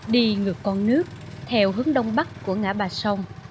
đi ngược con nước theo hướng đông bắc của ngã bà sông